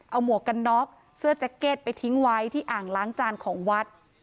เอาหมวกกันน็อกเสื้อแจ็คเก็ตไปทิ้งไว้ที่อ่างล้างจานของวัด